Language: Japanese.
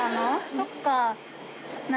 そっか。